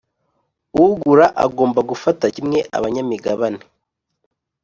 Ugura agomba gufata kimwe abanyamigabane